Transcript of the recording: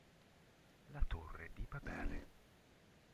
La torre di Babele